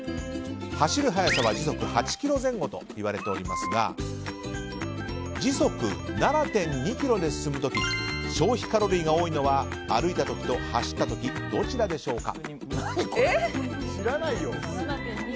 走る速さは時速８キロ前後といわれていますが時速７．２キロで進む時消費カロリーが多いのは歩いた時と走った時どちらでしょうか？